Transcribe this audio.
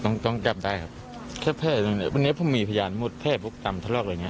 ตรงนี้ต้องกลับได้ครับแค่แพทย์วันนี้ผมมีพยานหมดแพทย์พวกตามทะเลาะเลยเนี่ย